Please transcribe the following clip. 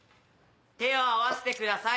手を合わせてください。